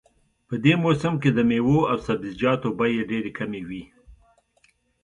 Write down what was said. په دې موسم کې د میوو او سبزیجاتو بیې ډېرې کمې وي